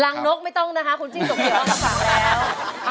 ล้างนกไม่ต้องนะคะคุณจิ้งสกรีบว่ามาฝากแล้ว